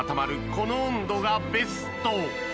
この温度がベスト。